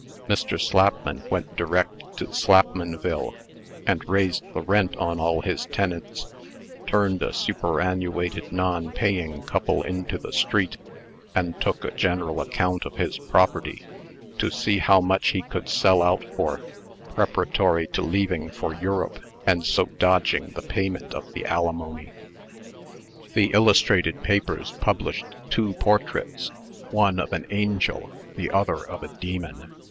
Mr. Slapman went direct to Slapmanville, and raised the rent on all his tenants, turned a superannuated non paying couple into the street, and took a general account of his property, to see how much he could sell out for, preparatory to leaving for Europe, and so dodging the payment of the alimony. The illustrated papers published two portraits one of an angel, the other of a demon.